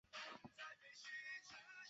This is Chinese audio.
奇蒿为菊科蒿属的植物。